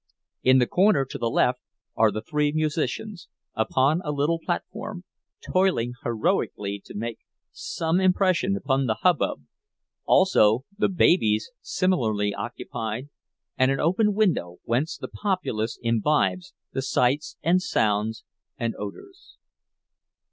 In the corner to the left are the three musicians, upon a little platform, toiling heroically to make some impression upon the hubbub; also the babies, similarly occupied, and an open window whence the populace imbibes the sights and sounds and odors.